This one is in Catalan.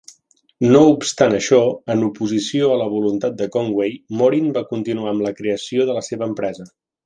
No obstant això, en oposició a la voluntat de Conway, Morin va continuar amb la creació de la seva empresa.